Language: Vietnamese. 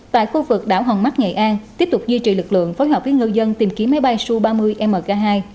tại khu vực đảo hòn mắt nghệ an tiếp tục duy trì lực lượng phối hợp với ngư dân tìm kiếm máy bay su ba mươi mk hai